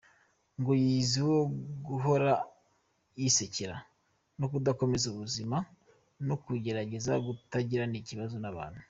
Ngo yiyiziho guhora yisekera no kudakomeza ubuzima no kugerageza kutagirana ikibazo n’abantu.